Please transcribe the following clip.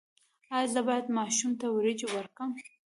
ایا زه باید ماشوم ته وریجې ورکړم؟